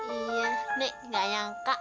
iya nek gak nyangka